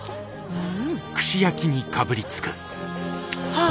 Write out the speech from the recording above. はあ。